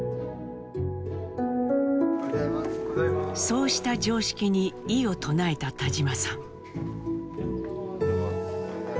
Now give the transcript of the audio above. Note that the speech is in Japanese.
そうした「常識」に異を唱えた田島さん。